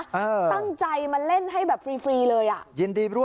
ตั้งใจมาเล่นให้ฟรีเลย